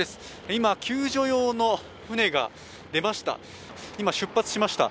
今、救助用の船が出ました。